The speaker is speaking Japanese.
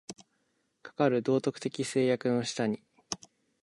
かかる道徳的制約の下に、